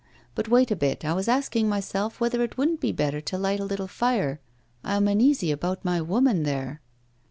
But wait a bit, I was asking myself whether it wouldn't be better to light a little fire. I am uneasy about my woman there.